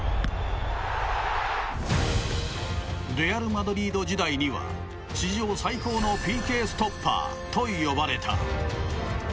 レアル・マドリード時代には史上最高のＰＫストッパーと呼ばれた。